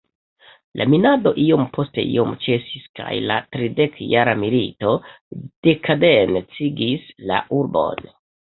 La minado iom post iom ĉesis kaj la "tridekjara milito" dekaden-cigis la urbon.